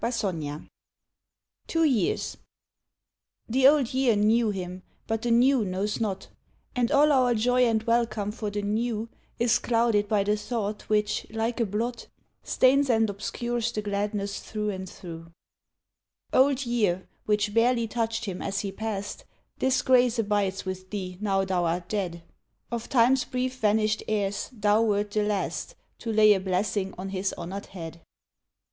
160 TWO YEARS TWO YEARS THE Old Year knew him, but the New knows not, And all our joy and welcome for the New Is clouded by the thought, which, like a blot Stains and obscures the gladness through and through Old Year, which barely touched him as he passed, This grace abides with thee now thou art dead, Of Time's brief vanished heirs thou wert the last To lay a blessing on his honored head.